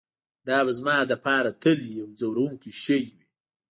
دا به زما لپاره تل یو ځورونکی شی وي